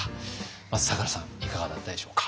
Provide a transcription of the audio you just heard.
まず咲楽さんいかがだったでしょうか？